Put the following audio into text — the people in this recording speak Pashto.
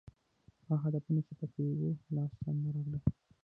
هغه هدفونه چې په پام کې وو لاس ته رانه غلل